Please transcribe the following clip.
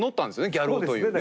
ギャル男というね。